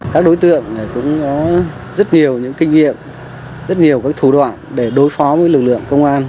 các đối tượng cũng có rất nhiều những kinh nghiệm rất nhiều các thủ đoạn để đối phó với lực lượng công an